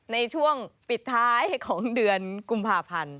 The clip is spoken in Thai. ในช่วงปิดท้ายของเดือนกุมภาพันธ์